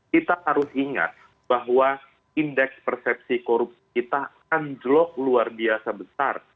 kita harus ingat bahwa indeks persepsi korupsi kita anjlok luar biasa besar